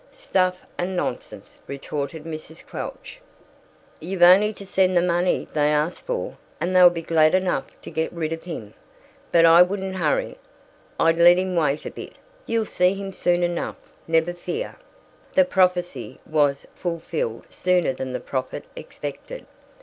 "Stuff and nonsense!" retorted Mrs. Quelch. "You've only to send the money they ask for, and they'll be glad enough to get rid of him. But I wouldn't hurry; I'd let him wait a bit you'll see him soon enough, never fear." The prophecy was fulfilled sooner than the prophet expected.